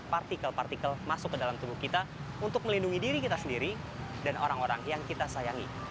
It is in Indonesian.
partikel partikel masuk ke dalam tubuh kita untuk melindungi diri kita sendiri dan orang orang yang kita sayangi